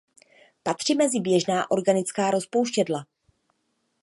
Patří mezi běžná organická rozpouštědla.